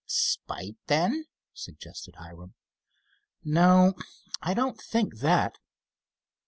"Spite, then?" suggested Hiram. "No, I don't think that."